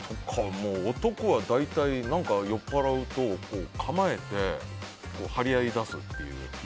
男は大体、酔っ払うと構えて、張り合いだすっていう。